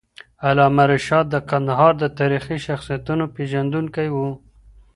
علامه رشاد د کندهار د تاریخي شخصیتونو پېژندونکی وو.